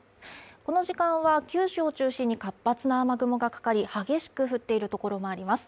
この時間は九州を中心に活発な雨雲がかかり激しく降っているところもあります